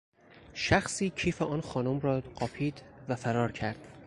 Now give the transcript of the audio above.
شخصی کیف آن خانم را قاپید و فرار کرد.